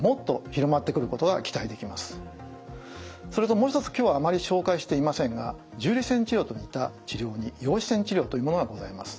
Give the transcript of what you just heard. それともう一つ今日はあまり紹介していませんが重粒子線治療と似た治療に陽子線治療というものがございます。